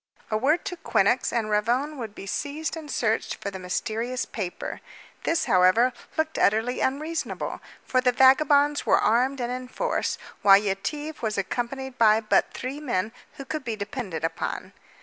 A word to Quinnox and Ravone would be seized and searched for the mysterious paper. This, however, looked utterly unreasonable, for the vagabonds were armed and in force, while Yetive was accompanied by but three men who could be depended upon.